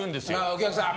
お客さん